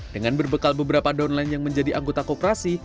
dengan berbekal beberapa downline yang menjadi anggota koperasi